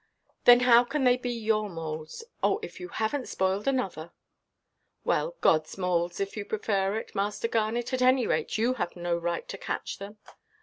"Then how can they be your moles? Oh, if you havenʼt spoiled another!" "Well, Godʼs moles, if you prefer it, Master Garnet. At any rate, you have no right to catch them."